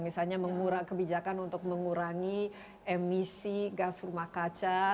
misalnya kebijakan untuk mengurangi emisi gas rumah kaca